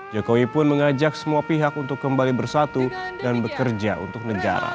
jokowi pun mengajak semua pihak untuk kembali bersatu dan bekerja untuk negara